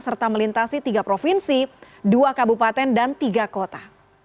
serta melintasi tiga provinsi dua kabupaten dan tiga kota